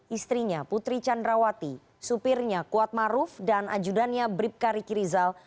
istrinya putri candrawati supirnya kuatmaruf dan ajudannya bribka rikirizal